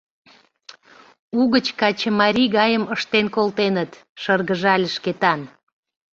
— Угыч качымарий гайым ыштен колтеныт, — шыргыжале Шкетан.